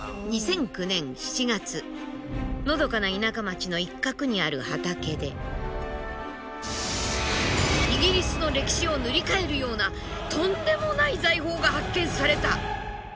のどかな田舎町の一角にある畑でイギリスの歴史を塗り替えるようなとんでもない財宝が発見された。